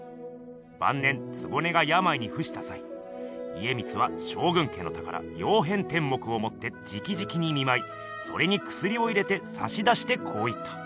ばん年局がやまいにふしたさい家光は将軍家の宝「曜変天目」をもってじきじきに見まいそれにくすりを入れてさしだしてこう言った。